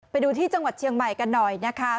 ไปดูที่จังหวัดเชียงใหม่กันหน่อยนะคะ